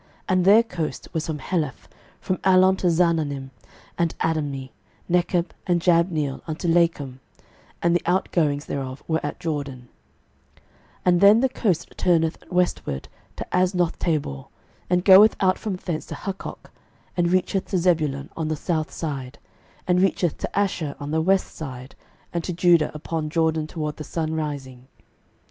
06:019:033 And their coast was from Heleph, from Allon to Zaanannim, and Adami, Nekeb, and Jabneel, unto Lakum; and the outgoings thereof were at Jordan: 06:019:034 And then the coast turneth westward to Aznothtabor, and goeth out from thence to Hukkok, and reacheth to Zebulun on the south side, and reacheth to Asher on the west side, and to Judah upon Jordan toward the sunrising.